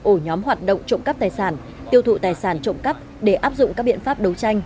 ổ nhóm hoạt động trộm cắp tài sản tiêu thụ tài sản trộm cắp để áp dụng các biện pháp đấu tranh